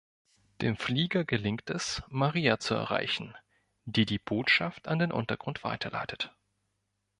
Dem Flieger gelingt es, Maria zu erreichen, die die Botschaft an den Untergrund weiterleitet.